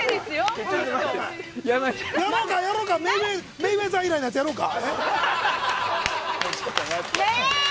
メイウェザー以来のやつやろうか？